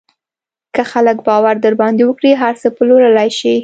که خلک باور در باندې وکړي، هر څه پلورلی شې.